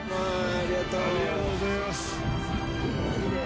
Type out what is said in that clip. ありがとうございます！